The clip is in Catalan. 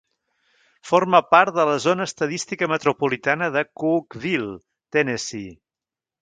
Forma part de la zona estadística metropolitana de Cookeville, Tennessee.